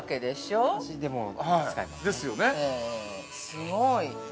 ◆すごい。